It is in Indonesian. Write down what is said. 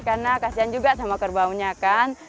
karena kasian juga sama kerbaunya kan